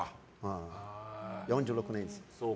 ４６年です。